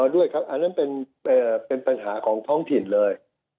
ด้วยครับอันนั้นเป็นปัญหาของท้องถิ่นเลย